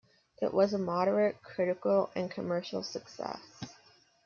It was a moderate critical and commercial success.